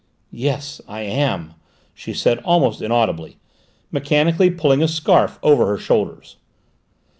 "Yes, I am," she said almost inaudibly, mechanically pulling a scarf over her shoulders.